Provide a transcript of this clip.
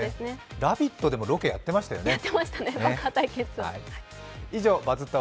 「ラヴィット！」でもロケやってましたよね。